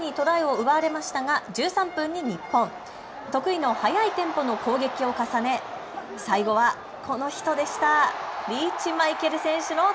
そして後半はチリにトライを奪われましたが１３分に日本、得意の速いテンポの攻撃を重ね、最後はこの人でした。